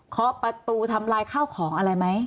ขอประตูทำลายข้าวของอะไรไหม